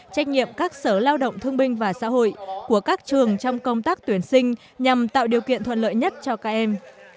trách nhiệm các sở lao động thương binh và xã hội của các trường trong công tác tuyển sinh nhằm tạo điều kiện thuận lợi nhất cho các em